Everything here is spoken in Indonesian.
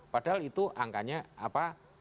padahal itu angkanya apa